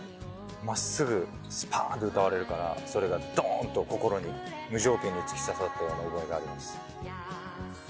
真っすぐすぱんと歌われるからそれがどんと心に無条件に突き刺さった覚えがあります。